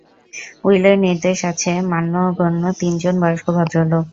Willey নির্দেশ আছে মান্যগণ্য তিনজন বয়স্ক ভদ্রলোক।